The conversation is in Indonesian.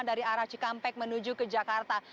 dari arah cikampek menuju ke jakarta